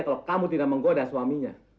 kalau kamu tidak menggoda suaminya